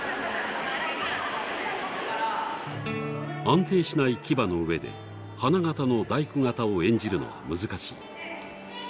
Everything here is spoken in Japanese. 安定しない騎馬の上で花形の大工方を演じるのは難しい。